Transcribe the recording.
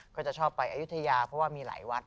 ก็จะชอบไปอายุทยาเพราะว่ามีหลายวัด